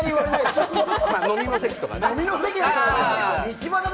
飲みの席とかね。